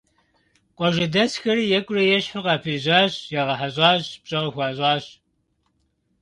Къуажэдэсхэри екӀурэ-ещхьу къапежьащ, ягъэхьэщӀащ, пщӀэ къыхуащӀащ.